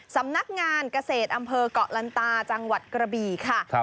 สำนักงานเกษตรอำเภอกเกาะลันตาจังหวัดกระบี่ค่ะ